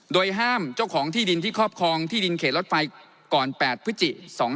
โดยห้ามเจ้าของที่ดินที่ครอบครองที่ดินเขตรถไฟก่อน๘พฤศจิ๒๕๖